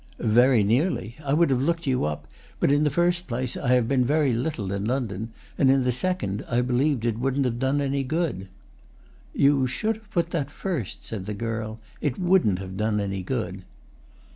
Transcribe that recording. "Very nearly. I would have looked you up, but in the first place I have been very little in London, and in the second I believed it wouldn't have done any good." "You should have put that first," said the girl. "It wouldn't have done any good."